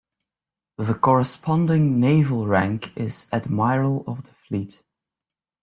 The corresponding naval rank is admiral of the fleet.